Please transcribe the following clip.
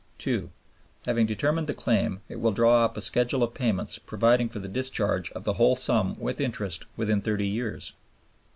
2. Having determined the claim, it will draw up a schedule of payments providing for the discharge of the whole sum with interest within thirty years.